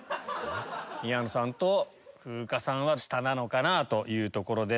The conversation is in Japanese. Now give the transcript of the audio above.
宮野さんと風花さんは下なのかな？というところです。